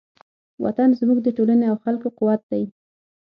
وطن زموږ د ټولنې او خلکو قوت دی.